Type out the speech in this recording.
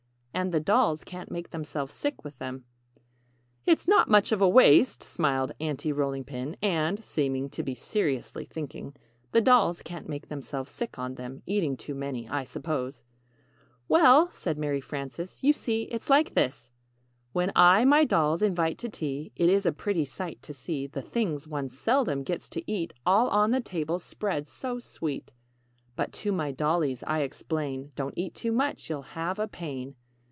And the dolls can't make themselves sick with them." "It's not much of a waste," smiled Aunty Rolling Pin, "and (seeming to be seriously thinking) the dolls can't make themselves sick on them eating too many, I suppose." [Illustration: "You see it's like this"] "Well," said Mary Frances, "you see, it's like this: "When I my dolls invite to tea, It is a pretty sight to see The things one seldom gets to eat All on the table spread, so sweet; But to my dollies I explain, Don't eat too much you'll have a pain.